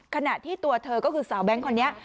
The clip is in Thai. ขณะที่ตัวเธอก็คือสาวแบงค์คนนี้